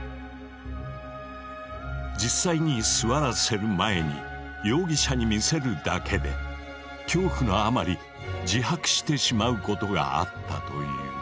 実際に座らせる前に容疑者に見せるだけで恐怖のあまり自白してしまうことがあったという。